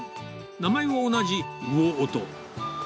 名前は同じ魚音。